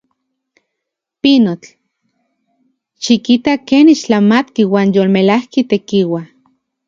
¡Pinotl! ¡Xikita ken ixtlamatki uan yolmelajki tekiua!